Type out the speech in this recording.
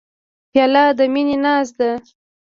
پیاله د مینې ناز ده.